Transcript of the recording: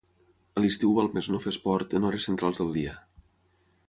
A l'estiu val més no fer esport en hores centrals del dia.